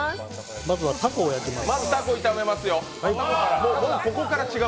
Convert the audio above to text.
まず、たこを焼きます。